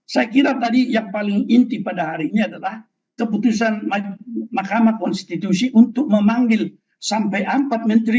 saya kira tadi yang paling inti pada hari ini adalah keputusan mahkamah konstitusi untuk memanggil sampai empat menteri